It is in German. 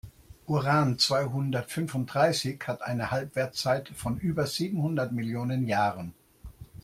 Uran-zweihundertfünfunddreißig hat eine Halbwertszeit von über siebenhundert Millionen Jahren.